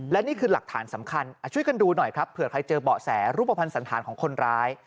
และนี่คือหลักฐานสำคัญช่วยกันดูหน่อยครับเผื่อใครเจอเบาะแสรูปภัณฑ์สันธารของคนร้าย